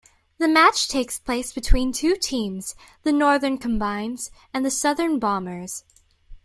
The match takes place between two teams, the Northern Combines and the Southern Bombers.